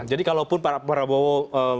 jadi kalaupun prabowo